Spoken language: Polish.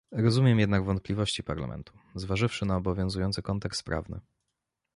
Rozumiem jednak wątpliwości Parlamentu, zważywszy na obowiązujący kontekst prawny